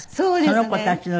その子たちの家に。